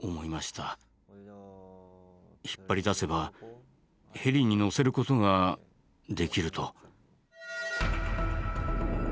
引っ張り出せばヘリに乗せることができると。